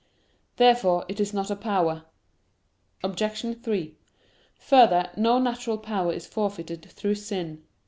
Therefore it is not a power. Obj. 3: Further, no natural power is forfeited through sin.